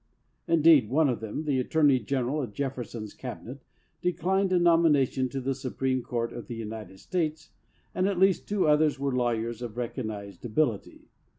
Indeed, one of them, the Attorney General of Jefferson's cabinet, de clined a nomination to the Supreme Court of the United States, and at least two others were law yers of recognized ability.